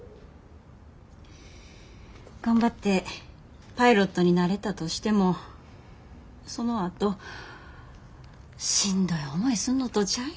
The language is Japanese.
頑張ってパイロットになれたとしてもそのあとしんどい思いすんのとちゃうやろか。